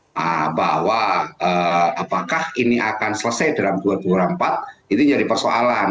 nah bahwa apakah ini akan selesai dalam dua ribu dua puluh empat itu jadi persoalan